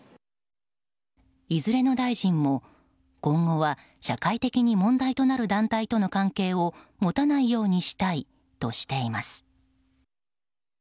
いずれの大臣も今後は社会的に問題となる団体との関係を持たないようにしたいとしています。